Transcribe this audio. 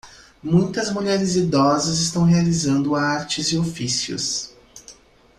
muitas mulheres idosas estão realizando artes e ofícios